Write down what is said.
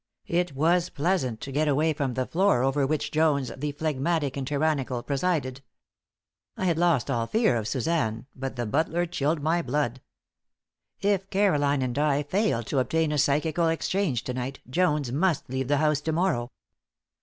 It was pleasant to get away from the floor over which Jones, the phlegmatic and tyrannical, presided. I had lost all fear of Suzanne, but the butler chilled my blood. If Caroline and I failed to obtain a psychical exchange to night Jones must leave the house to morrow.